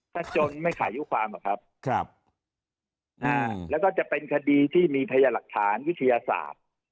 ถ้าจนไม่ขายุความหรอกครับแล้วก็จะเป็นคดีที่มีพยาหลักฐานวิทยาศาสตร์